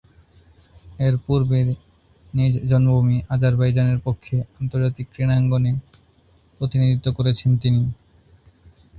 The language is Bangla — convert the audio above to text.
এর পূর্বে নিজ জন্মভূমি আজারবাইজানের পক্ষে আন্তর্জাতিক ক্রীড়াঙ্গনে প্রতিনিধিত্ব করেছেন তিনি।